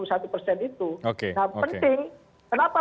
nah penting kenapa